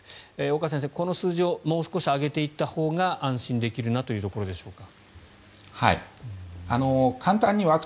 岡先生、この数字をもう少し上げていったほうが安心できるなというところでしょうか？